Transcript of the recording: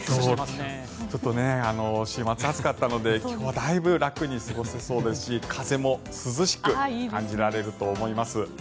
ちょっと週末暑かったので今日はだいぶ楽に過ごせそうですし風も涼しく感じられると思います。